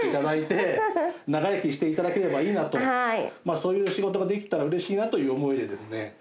そういう仕事ができたらうれしいなという思いでですね